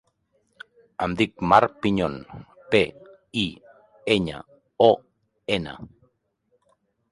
Em dic Mar Piñon: pe, i, enya, o, ena.